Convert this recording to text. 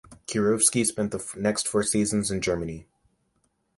Kirovski spent the next four seasons in Germany.